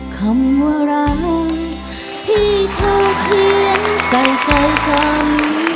คำว่าร้างที่เธอเขียนใจกัน